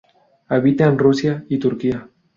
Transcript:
Habita en Rusia y Turquía.